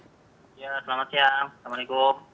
selamat siang assalamualaikum